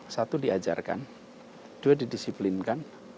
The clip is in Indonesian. satu diajarkan dua didisiplinkan